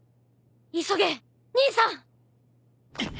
急げ兄さん！